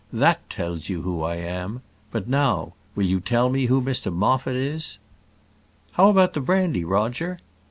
That tells you who I am. But now, will you tell me who Mr Moffat is?" "How about the brandy, Roger?"